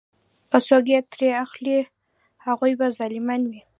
که څوک یې ترې اخلي هغوی به ظالمان وي.